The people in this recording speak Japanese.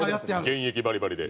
現役バリバリで。